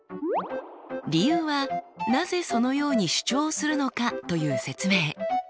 「理由」はなぜそのように主張するのかという説明。